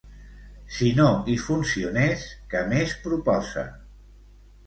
Si no hi funcionés, què més proposa?